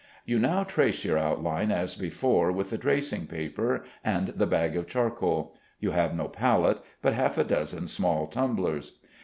You now trace your outline as before with the tracing paper and the bag of charcoal. You have no palette, but half a dozen small tumblers.